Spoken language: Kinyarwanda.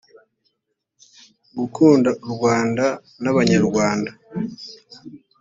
gukunda u rwanda n abanyarwanda